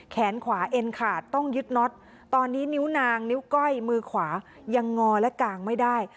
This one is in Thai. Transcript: แขนขวาเอ็นขาดต้องยึดน็อตตอนนี้นิ้วนางนิ้วก้อยมือขวายังงอและกางไม่ได้